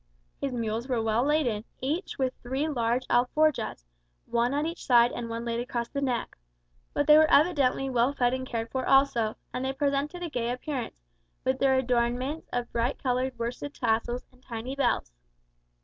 His mules were well laden; each with three large alforjas, one at each side and one laid across the neck. But they were evidently well fed and cared for also; and they presented a gay appearance, with their adornments of bright coloured worsted tassels and tiny bells.